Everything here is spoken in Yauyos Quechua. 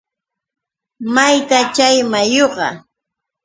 ¿mayta chay mayuqa?